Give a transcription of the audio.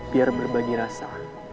biar berbagi rasa